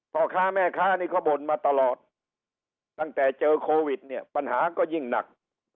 พ่อค้าแม่ค้านี่เขาบ่นมาตลอดตั้งแต่เจอโควิดเนี่ยปัญหาก็ยิ่งหนัก